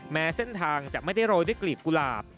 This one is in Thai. แม้เส้นทางจะไม่ได้โรยด้วยกลีบกุหลาบ